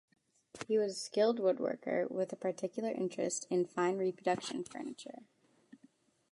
He was a skilled woodworker, with a particular interest in fine reproduction furniture.